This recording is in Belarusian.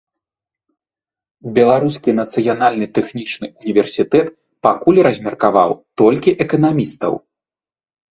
Беларускі нацыянальны тэхнічны ўніверсітэт пакуль размеркаваў толькі эканамістаў.